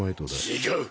違う。